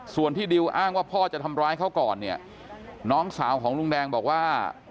ส่วนที่ดิวอ้างว่าพ่อจะทำร้ายเขาก่อนเนี่ยน้องสาวของลุงแดงบอกว่า